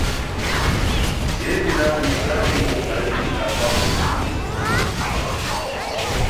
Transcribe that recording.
Yenda nyi tambu hali akwa mwono.